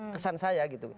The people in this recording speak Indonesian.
kesan saya gitu